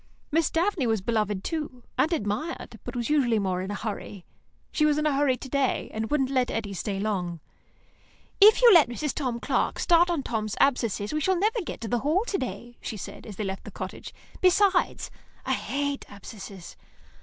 Miss Daphne was beloved, too, and admired, but was usually more in a hurry. She was in a hurry to day, and wouldn't let Eddy stay long. "If you let Mrs. Tom Clark start on Tom's abscess, we should never get to the Hall to day," she said, as they left the cottage. "Besides, I hate abscesses."